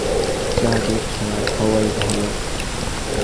চা দুধ ছাড়া খাওয়াই ভালো।